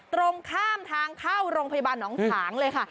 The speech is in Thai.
ตรงข้ามทางเข้าโรงพยาบาลหนองฉางเลยค่ะ